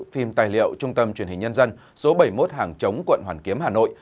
phim tài liệu trung tâm truyền hình nhân dân số bảy mươi một hàng chống quận hoàn kiếm hà nội